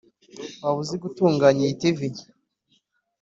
waba uzi gutunganya iyi tv?